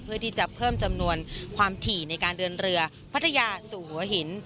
เพื่อที่จะเพิ่มจำนวนความถี่ในการเดินเรือพัทยาสู่หัวหิน